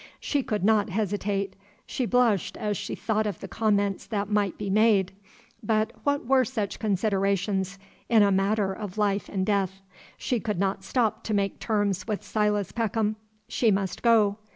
She could not hesitate. She blushed as she thought of the comments that might be made; but what were such considerations in a matter of life and death? She could not stop to make terms with Silas Peckham. She must go.